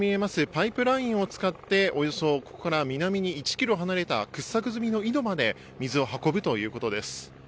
パイプラインを使って、およそここから南に１ｋｍ離れた掘削済みの井戸まで水を運ぶということです。